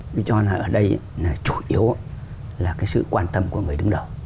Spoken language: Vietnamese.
tôi cho là ở đây là chủ yếu là cái sự quan tâm của người đứng đầu